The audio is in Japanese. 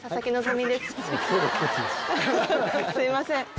すいません。